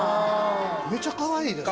めちゃかわいいですね。